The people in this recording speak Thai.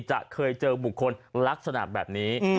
จะเคยเจอบุคคลลักษณะแบบนี้